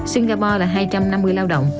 singapore là hai trăm năm mươi lao động